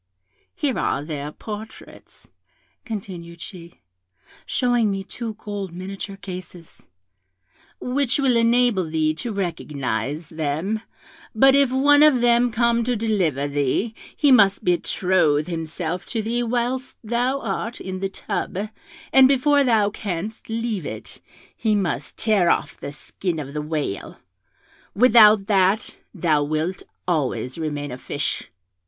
Here are their portraits,' continued she, showing me two gold miniature cases, 'which will enable thee to recognise them: but if one of them come to deliver thee, he must betroth himself to thee whilst thou art in the tub, and before thou canst leave it, he must tear off the skin of the whale; without that, thou wilt always remain a fish.